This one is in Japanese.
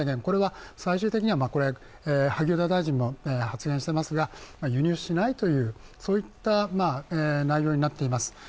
これは最終的には萩生田大臣も発言していますが、輸入しないという内容になっています。